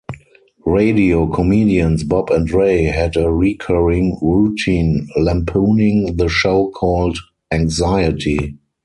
Radio comedians Bob and Ray had a recurring routine lampooning the show called "Anxiety".